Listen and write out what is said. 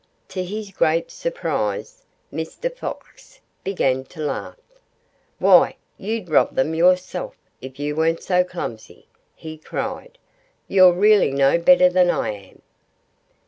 To his great surprise, Mr. Fox began to laugh. "Why, you'd rob them yourself if you weren't so clumsy!" he cried. "You're really no better than I am."